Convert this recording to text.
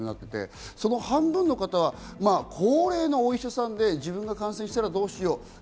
その半分の方は高齢のお医者さんで自分が感染したらどうしよう。